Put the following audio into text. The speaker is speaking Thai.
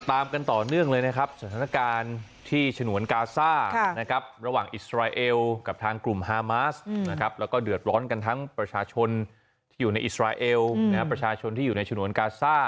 ตามกันต่อเนื่องเลยนะครับสถานการณ์ที่ฉนวนการ์ซ่า